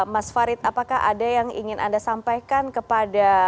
mas farid apakah ada yang ingin anda sampaikan kepada